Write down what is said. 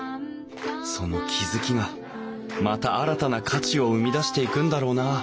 その気付きがまた新たな価値を生み出していくんだろうなあ